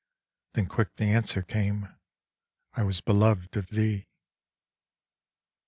Then quick the answer came, "I was beloved of thee."